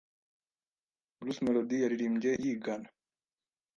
Bruce Melody yaririmbye yigana